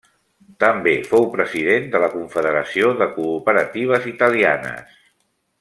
També fou president de la Confederació de Cooperatives Italianes.